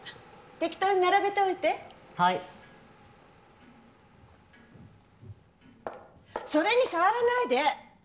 適当に並べておいてはいそれに触らないで！